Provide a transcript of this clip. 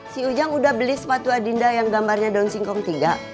si ujang udah beli sepatu adinda yang gambarnya daun singkong tiga